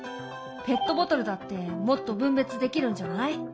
ペットボトルだってもっと分別できるんじゃない？